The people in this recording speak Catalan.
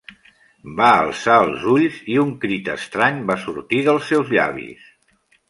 Va alçar els ulls i un crit estrany va sortir dels seus llavis.